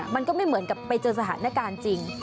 มันก็ไม่เหมือนกับไปเจอสถานการณ์จริง